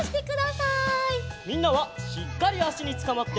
みんなはしっかりあしにつかまって！